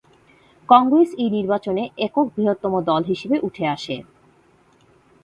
কংগ্রেস এই নির্বাচনে একক বৃহত্তম দল হিসেবে উঠে আসে।